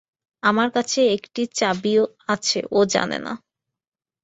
আমার কাছে একটা চাবি আছে, ও জানে না।